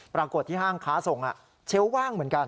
ปรากฏที่ห้างค้าส่งเชลล์ว่างเหมือนกัน